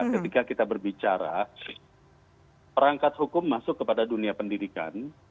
ketika kita berbicara perangkat hukum masuk kepada dunia pendidikan